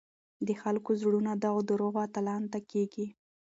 د خلکو زړونه دغو دروغو اتلانو ته کېږي.